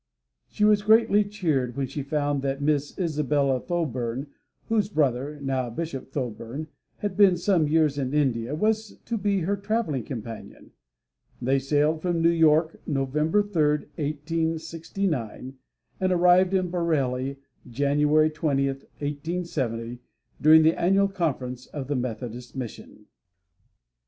She was greatly cheered when she found that Miss Isabella Thoburn, whose brother (now Bishop Thoburn) had been some years in India, was to be her traveling companion. They sailed from New York November 3, 1869, and arrived in Bareilly January 20, 1870, during the annual conference of the Methodist Mission.